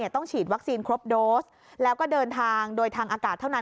ต้องฉีดวัคซีนครบโดสแล้วก็เดินทางโดยทางอากาศเท่านั้น